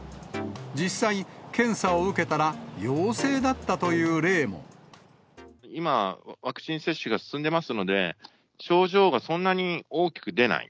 実際、検査を受けたら、陽性だっ今、ワクチン接種が進んでますので、症状がそんなに大きく出ない。